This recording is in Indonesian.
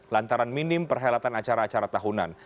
lantaran minim perhelatan acara acara tahunan